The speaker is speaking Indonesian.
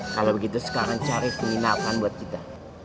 kalau begitu sekarang cari penginapan buat kita